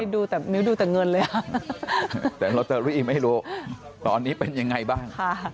ดูแต่มิ้วดูแต่เงินเลยแต่ลอตเตอรี่ไม่รู้ตอนนี้เป็นยังไงบ้าง